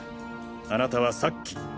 あなたはさっき。